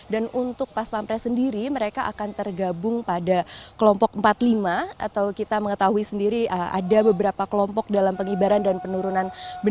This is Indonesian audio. dan untuk pas pampres sendiri mereka akan tergabung pada kelompok empat puluh lima atau kita mengetahui sendiri ada beberapa kelompok dalam pengibaran dan penurunan